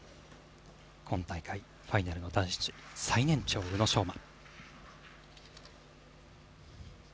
今大会ファイナル男子最年長の宇野昌磨。